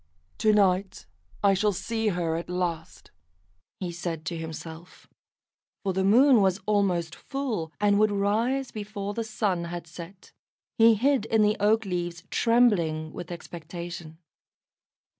"To night I shall see her at last," he said to himself, for the Moon was almost full, and would rise before the Sun had set. He hid in the oak leaves, trembling with expectation.